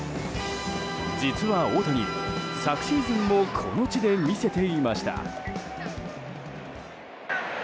実は大谷、昨シーズンもこの地で見せていました。